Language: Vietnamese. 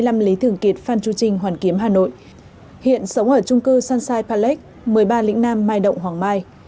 ở hai mươi năm lý thường kiệt phan chu trinh hoàn kiếm hà nội hiện sống ở chung cư sunshine palace một mươi ba lĩnh nam mai động hoàng mai